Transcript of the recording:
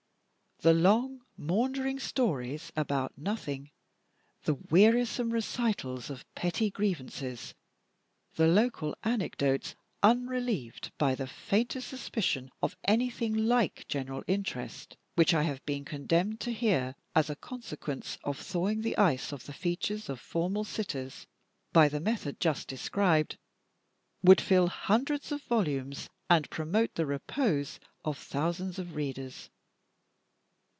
The long, maundering stories about nothing, the wearisome recitals of petty grievances, the local anecdotes unrelieved by the faintest suspicion of anything like general interest, which I have been condemned to hear, as a consequence of thawing the ice off the features of formal sitters by the method just described, would fill hundreds of volumes, and promote the repose of thousands of readers.